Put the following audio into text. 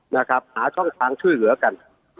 นะครับหาช่องทางช่วยเหลือกัน